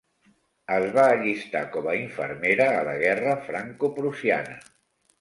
Es va allistar com a infermera a la guerra francoprussiana.